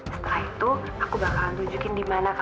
setelah itu aku bakal tunjukin di mana